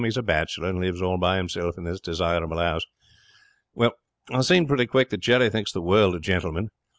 He's a bachelor, and lives all by himself in this desirable 'ouse. 'Well, I seen pretty quick that Jerry thinks the world of Gentleman.